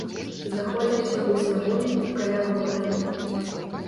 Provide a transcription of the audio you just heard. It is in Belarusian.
Знаходзіўся ў зняволенні каля года.